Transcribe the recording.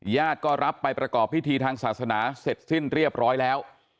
ญาติก็รับไปประกอบพิธีทางศาสนาเสร็จสิ้นเรียบร้อยแล้ว